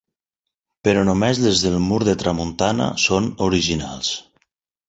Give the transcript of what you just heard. Però només les del mur de tramuntana són originals.